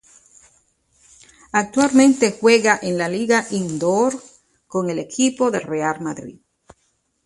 Actualmente juega en la Liga Indoor con el equipo del Real Madrid.